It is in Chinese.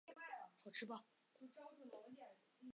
莱斯图尔雷莱。